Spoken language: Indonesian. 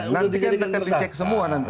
nantikan tekan dicek semua nanti